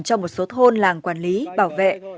cho một số thôn làng quản lý bảo vệ